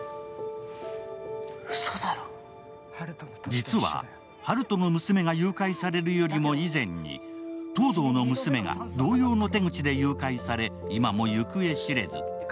実は、温人の娘が誘拐されるよりも以前に、東堂の娘が同様の手口で誘拐され、今も行方知れず。